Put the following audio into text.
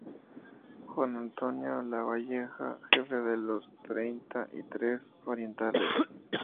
Juan Antonio Lavalleja, jefe de los Treinta y Tres Orientales.